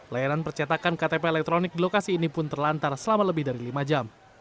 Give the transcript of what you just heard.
layanan percetakan ktp elektronik di lokasi ini pun terlantar selama lebih dari lima jam